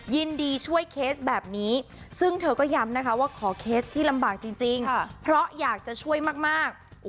ยินดีช่วยเคสแบบนี้ซึ่งเธอก็ย้ำนะคะว่าขอเคสที่ลำบากจริงเพราะอยากจะช่วยมาก